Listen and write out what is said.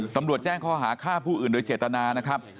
ตำรวจแจ้งข้อหาฆ่าผู้อื่นโดยเจตนานะครับ